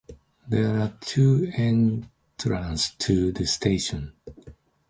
There are two entrances to the station.